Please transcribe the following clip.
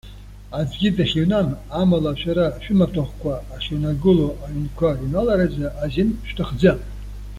Аӡәгьы дахьыҩнам, амала шәара шәымаҭәахәқәа ахьыҩнагылоу аҩнқәа рыҩналаразы азин шәҭахӡам.